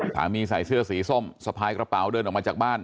สามีใส่เสื้อสีส้มสะพายกระเป๋าเดินออกมาจากบ้าน